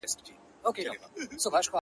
دلته تم سه چي بېړۍ دي را رسیږي؛